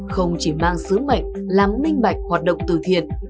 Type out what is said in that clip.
không chỉ mang sứ mệnh làm minh bạch hoạt động từ thiện